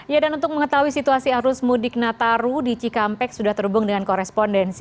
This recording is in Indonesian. ya dan untuk mengetahui situasi arus mudik nataru di cikampek sudah terhubung dengan korespondensi